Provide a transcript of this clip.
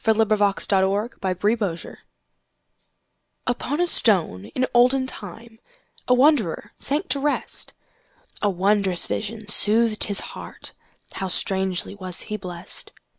Isaacs Pillow and Stone UPON a stone in olden timeA wanderer sank to rest.A wondrous vision soothed his heartHow strangely was he blessed!